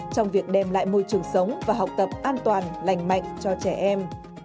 trong việc đem lại môi trường sống và học tập an toàn lành mạnh cho trẻ em